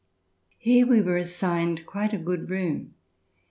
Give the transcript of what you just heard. Here we were assigned quite a good room.